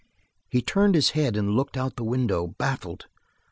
He turned his head and looked out the window, baffled.